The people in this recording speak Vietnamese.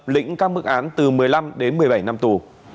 lĩnh các mức án từ một mươi năm đến một mươi bảy năm tù